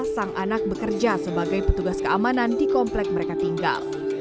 sang anak bekerja sebagai petugas keamanan di komplek mereka tinggal